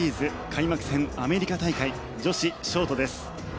開幕戦アメリカ大会女子ショートです。